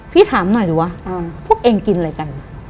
พี่ถามหน่อยดิวะพวกเองกินอะไรกัน